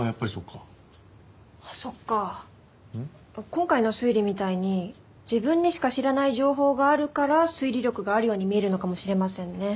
今回の推理みたいに自分にしか知らない情報があるから推理力があるように見えるのかもしれませんね。